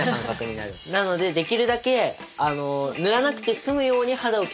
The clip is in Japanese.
なのでできるだけ塗らなくて済むように肌をきれいにしようっていうふうに。